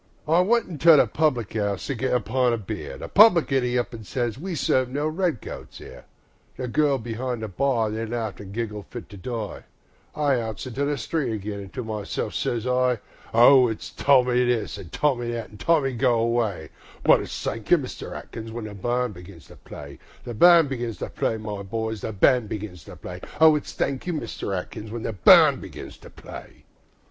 Tommy I went into a public 'ouse to get a pint o' beer, The publican 'e up an' sez, "We serve no red coats here." The girls be'ind the bar they laughed an' giggled fit to die, I outs into the street again an' to myself sez I: O it's Tommy this, an' Tommy that, an' "Tommy, go away"; But it's "Thank you, Mister Atkins", when the band begins to play, The band begins to play, my boys, the band begins to play, O it's "Thank you, Mister Atkins", when the band begins to play.